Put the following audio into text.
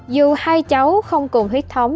dù hai cháu không cùng huyết thống